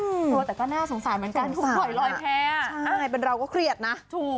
กลัวแต่ก็น่าสงสารเหมือนกันเขาปล่อยลอยแพ้ใช่เป็นเราก็เครียดนะถูก